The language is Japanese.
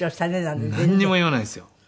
なんにも言わないんですよ。